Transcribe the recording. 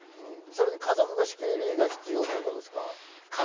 家族で仕切りが必要というのはどうですか？